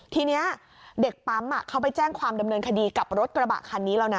ทีนี้เด็กปั๊มเขาไปแจ้งความดำเนินคดีกับรถกระบะคันนี้แล้วนะ